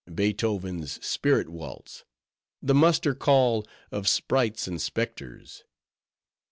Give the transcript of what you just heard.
—Beethoven's Spirit Waltz! the muster call of sprites and specters.